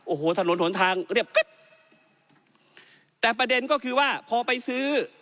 โอ้โหถนนหนทางเรียบกึ๊บแต่ประเด็นก็คือว่าพอไปซื้อ